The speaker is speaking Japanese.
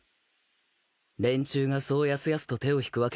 連中がそうやすやすと手を引くわけはござらん。